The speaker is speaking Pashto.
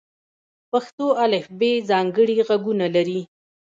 پښتو الفبې ځانګړي غږونه لري.